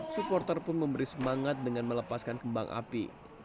supporter pun memberi semangat dengan melepaskan kembang api